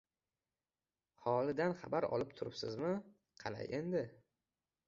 Holidan xabar olib turibsizmi? Qalay endi?